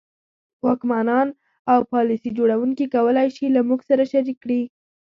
واکمنان او پالیسي جوړوونکي کولای شي له موږ سره شریک کړي.